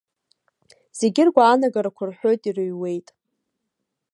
Зегьы ргәаанагарақәа рҳәоит, ирыҩуеит.